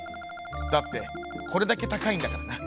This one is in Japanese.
だってこれだけたかいんだからな」。